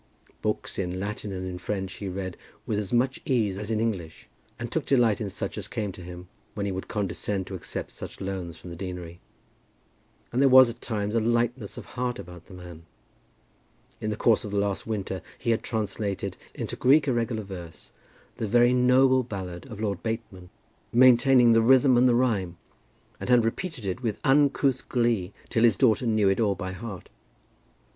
Books in Latin and in French he read with as much ease as in English, and took delight in such as came to him, when he would condescend to accept such loans from the deanery. And there was at times a lightness of heart about the man. In the course of the last winter he had translated into Greek irregular verse the very noble ballad of Lord Bateman, maintaining the rhythm and the rhyme, and had repeated it with uncouth glee till his daughter knew it all by heart.